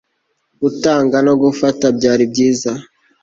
Gutanga no gufata byari byiza